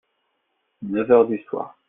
Neuf heures du soir.